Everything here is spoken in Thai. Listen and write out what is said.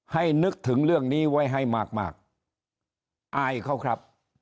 นึกถึงเรื่องนี้ไว้ให้มากมากอายเขาครับ